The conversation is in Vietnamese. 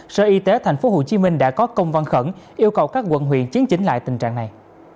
sở y tế tp hcm đã có công văn khẩn yêu cầu các quận huyện chấn chỉnh lại tình trạng này